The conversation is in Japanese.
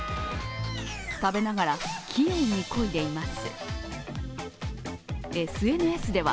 食べながら器用にこいでいます。